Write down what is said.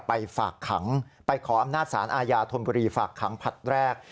ไปฝากขังไปขออำนาจสารอาญาธนบุรีฝากขังผลัดแรก